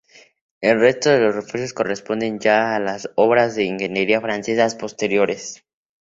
El resto de los refuerzos corresponden ya a las obras de ingeniería francesas posteriores.